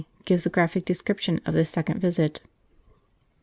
gives a graphic description of this second visit.